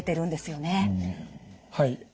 はい。